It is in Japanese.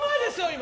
今。